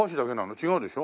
違うでしょ？